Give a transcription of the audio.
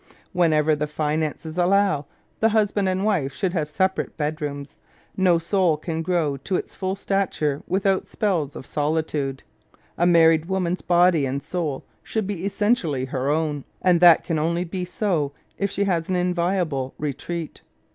Whenever the finances allow, the husband and wife should have separate bedrooms. No soul can grow to its full stature without spells of solitude. A married woman's body and soul should be essentially her own, and that can only be so if she has an inviolable retreat.